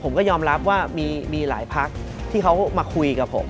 ผมก็ยอมรับว่ามีหลายพักที่เขามาคุยกับผม